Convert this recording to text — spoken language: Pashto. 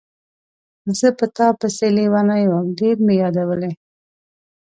زه په تا پسې لیونی وم، ډېر مې یادولې.